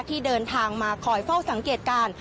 ที่เดินทางมาคอยเฝ้าสังเกตการณ์